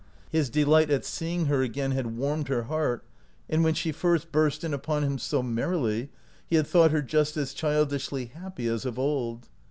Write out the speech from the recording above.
His delight at seeing her again had warmed her heart, and when she first burst in upon him so merrily he had thought her just as childishly happy as of old.